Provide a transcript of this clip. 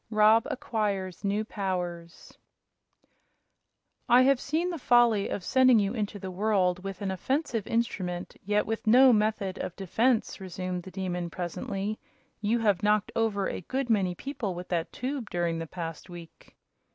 Rob Acquires New Powers "I have seen the folly of sending you into the world with an offensive instrument, yet with no method of defense," resumed the Demon, presently. "You have knocked over a good many people with that tube during the past week."